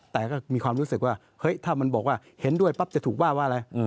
แต่ก็มีความรู้สึกว่าเฮ้ยถ้ามันบอกว่าเห็นด้วยปั๊บจะถูกว่าว่าอะไร